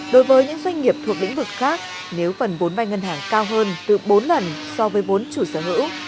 đối với những doanh nghiệp thuộc lĩnh vực khác nếu phần vốn vai ngân hàng cao hơn từ bốn lần so với vốn chủ sở hữu